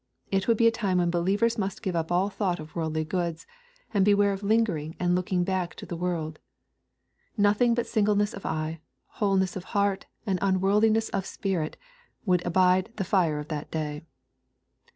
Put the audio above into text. — It would be a time when believers must give up all thought of worldly goods, and be ware of hngering and looking back to the world. Nothing but singleness of eye, wholeness of heart, and unworldliness of spirit would abide the fire of that day.